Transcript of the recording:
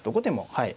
はい。